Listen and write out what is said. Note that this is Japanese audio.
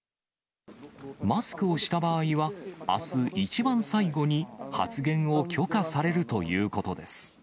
マスクをした場合は、あす一番最後に発言を許可されるということです。